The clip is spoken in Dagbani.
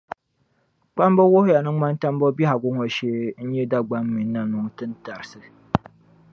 Kpamba wuhiya ni Ŋmantambo bɛhigu ŋɔ shee n-nyɛ Dagbɔŋ mini Nanuŋ tintarisi.